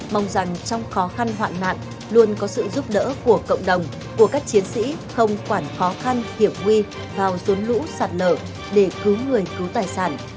mong rằng trong khó khăn hoạn nạn luôn có sự giúp đỡ của cộng đồng của các chiến sĩ không quản khó khăn hiểm nguy vào rốn lũ sạt lở để cứu người cứu tài sản